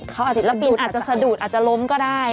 เขาอาจจะสะดูดอาจจะล้มก็ได้